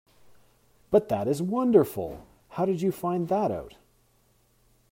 But that is wonderful! How did you find that out?